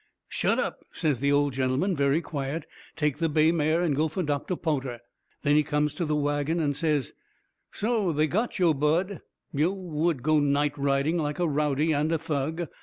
"Shut up," says the old gentleman, very quiet. "Take the bay mare and go for Doctor Po'ter." Then he comes to the wagon and says: "So they got yo', Bud? Yo' WOULD go nightriding like a rowdy and a thug!